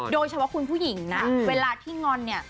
โดยเฉพาะคุณผู้หญิงนะเวลาที่งอนเนี่ย